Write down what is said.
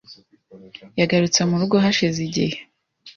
Yagarutse murugo hashize igihe .